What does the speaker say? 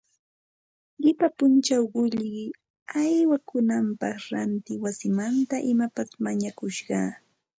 Qipa punchaw qullqi haywaykunapaq ranti wasimanta imapas mañakusqa